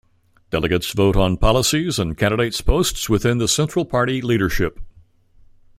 Delegates vote on policies and candidates posts within the central party leadership.